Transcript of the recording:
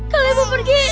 kalo ibu pergi